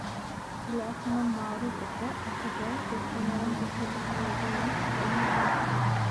Silahına mağrur efe, atacağı kurşunların boşa gitmeyeceğine pek emindi.